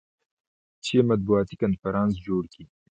چې مطبوعاتي کنفرانس جوړ کي.